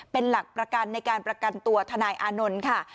เป็นหลักประกันในการประกันตัวทนายอานนท์ค่ะ